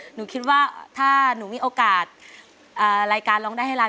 หนูคิดว่าถ้าหนูมีโอกาสรายการร้องได้ให้ร้าน